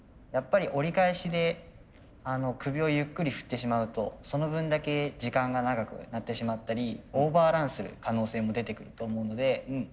やっぱり折り返しで首をゆっくり振ってしまうとその分だけ時間が長くなってしまったりオーバーランする可能性も出てくると思うので。